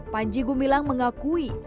panji gumilang mengakui